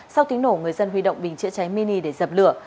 sau tiếng nổ người dân huy động bình chữa cháy mini để dập lửa